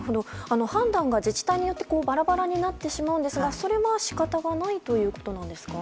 判断が自治体によってバラバラになってしまうんですがそれは仕方がないということなんですか？